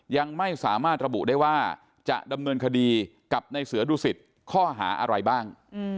ยังไม่สามารถระบุได้ว่าจะดำเนินคดีกับในเสือดุสิตข้อหาอะไรบ้าง